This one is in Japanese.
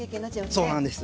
そうなんです。